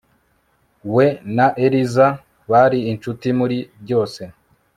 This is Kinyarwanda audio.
We na Eliza bari inshuti muri byose